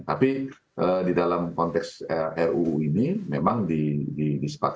tapi di dalam konteks ruu ini memang di sepak